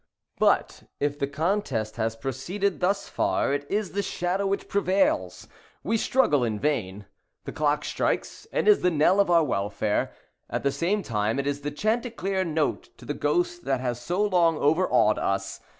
But, if the contest have proceeded thus far, it is the shadow which prevails,—we struggle in vain. The clock strikes, and is the knell of our welfare. At the same time, it is the chanticleer note to the ghost that has so long overawed us.